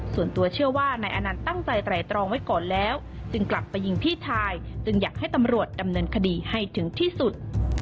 ส่วนตัวเชื่อว่านายอนันต์ตั้งใจไตรตรองไว้ก่อนแล้วจึงกลับไปยิงพี่ชายจึงอยากให้ตำรวจดำเนินคดีให้ถึงที่สุด